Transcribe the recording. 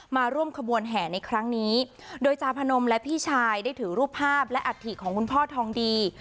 มาร่วมขบวนแห่ในครั้งนี้โดยจาพนมและพี่ชายได้ถือรูปภาพและอัฐิของคุณพ่อทองดี